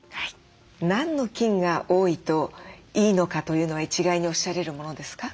何の菌が多いといいのかというのは一概におっしゃれるものですか？